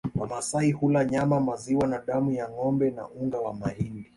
Wamasai hula nyama maziwa na damu ya ngombe na unga wa mahindi